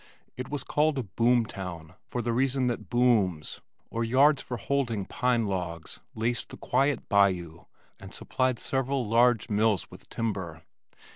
It was called a "boom town" for the reason that "booms" or yards for holding pine logs laced the quiet bayou and supplied several large mills with timber.